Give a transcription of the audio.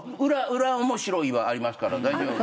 裏面白いはありますから大丈夫。